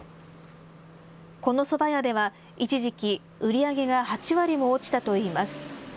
このそば屋では一時期売り上げが８割も落ちたといいます。